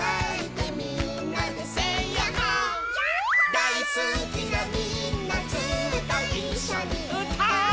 「だいすきなみんなずっといっしょにうたおう」